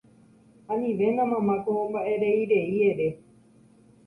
Anivéna mama ko mba'ereirei ere